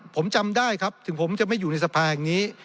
ผมจำได้ครับถึงผมจะไม่อยู่ในสภาแห่งนี้